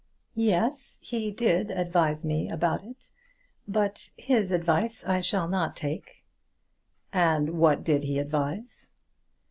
"Yes; he did advise me about it. But his advice I shall not take." "And what did he advise?"